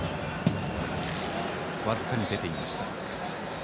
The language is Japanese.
僅かに出ていました。